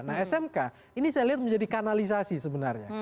nah smk ini saya lihat menjadi kanalisasi sebenarnya